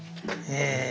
へえ。